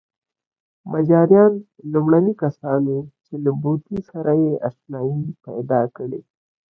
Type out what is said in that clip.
مجاریان لومړني کسان وو چې له بوټي سره اشنايي پیدا کړې.